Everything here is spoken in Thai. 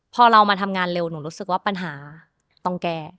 พอเรามาทำงานเร็วหนูรู้สึกว่าปัญหาต้องแก้